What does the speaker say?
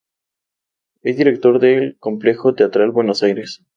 Es director del Complejo Teatral Buenos Aires.